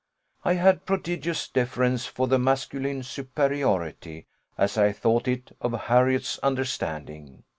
I had prodigious deference for the masculine superiority, as I thought it, of Harriot's understanding.